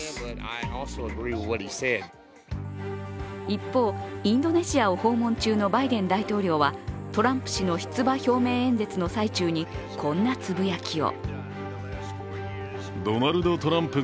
一方、インドネシアを訪問中のバイデン大統領はトランプ氏の出馬表明演説の最中に、こんなつぶやきを。